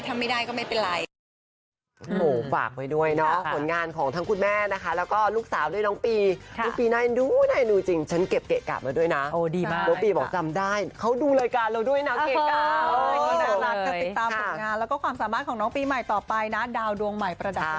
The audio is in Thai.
ถ้าไม่ได้ก็ไม่เป็นไร